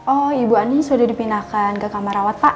oh ibu ani sudah dipindahkan ke kamar rawat pak